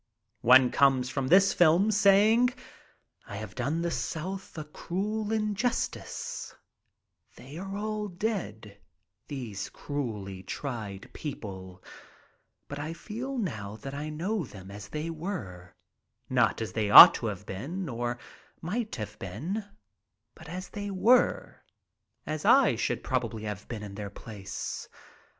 One comes from this film saying: "I have done the South a cruel injustice, they are all dead, these cruelly tried people, but I feel now that I know them as they were; not as they ought to have been or might have been, but as they were; as I should prob ably have been in their place.